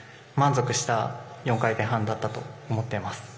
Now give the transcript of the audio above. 満足した４回転半だったと思っています。